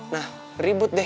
nah ribut deh